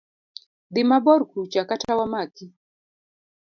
Dhi mabor kucha kata wamaki.